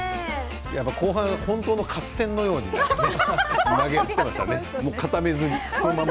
後半、本当の合戦のように投げ合っていましたね。